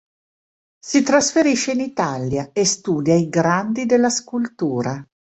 Si trasferisce in Italia e studia i Grandi della scultura.